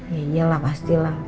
ya iyalah pastilah